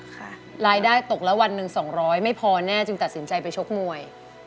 รายได้ตกละวันหนึ่งสองร้อยไม่พอแน่จึงตัดสินใจไปชกมวย